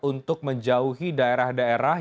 untuk menjauhi daerah daerah